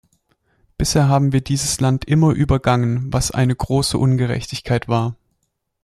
Bisher haben wir dieses Land immer übergangen, was eine große Ungerechtigkeit war.